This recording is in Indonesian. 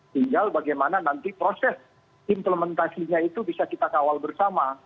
tinggal bagaimana nanti proses implementasinya itu bisa kita kawal bersama